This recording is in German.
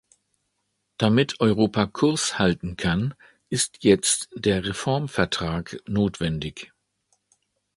Damit Europa Kurs halten kann, ist jetzt der Reformvertrag notwendig.